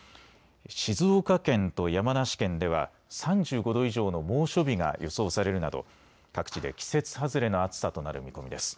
静岡県と山梨県では３５度以上の猛暑日が予想されるなど各地で季節外れの暑さとなる見込みです。